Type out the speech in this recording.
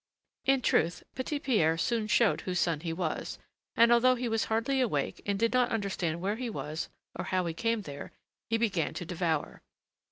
In truth, Petit Pierre soon showed whose son he was, and, although he was hardly awake and did not understand where he was or how he came there, he began to devour.